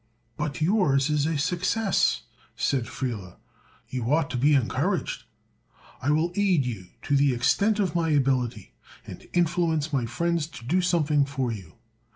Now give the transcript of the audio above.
"But yours is a success," said Friele. "You ought to be encouraged. I will aid you to the extent of my ability, and influence my friends to do something for you.